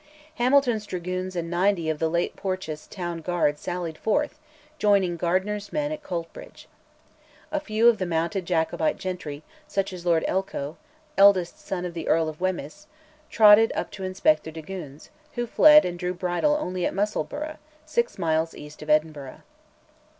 Hamilton's dragoons and ninety of the late Porteous's Town Guard sallied forth, joining Gardiner's men at Coltbridge. A few of the mounted Jacobite gentry, such as Lord Elcho, eldest son of the Earl of Wemyss, trotted up to inspect the dragoons, who fled and drew bridle only at Musselburgh, six miles east of Edinburgh.